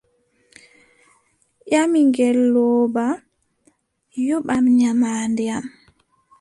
Ƴami ngeelooba: yoɓan nyamaande am.